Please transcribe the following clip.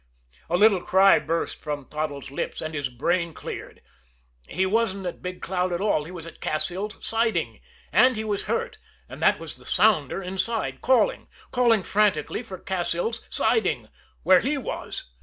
A little cry burst from Toddles' lips and his brain, cleared. He wasn't at Big Cloud at all he was at Cassil's Siding and he was hurt and that was the sounder inside calling, calling frantically for Cassil's Siding where he was.